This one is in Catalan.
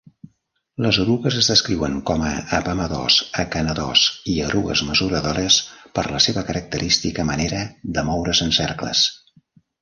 Les erugues es descriuen com a apamadors, acanadors i erugues mesuradores per la seva característica manera de moure's en cercles.